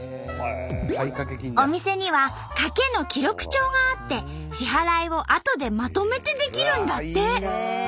お店にはカケの記録帳があって支払いをあとでまとめてできるんだって！